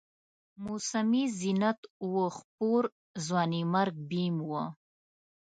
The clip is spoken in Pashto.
موسمي زینت و خپور، ځوانیمرګ بیم و